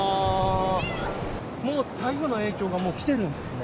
もう台風の影響がもう来てるんですね。